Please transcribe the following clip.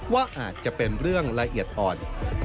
ว่าอาจจะเป็นเรื่องละเอียดอ่อน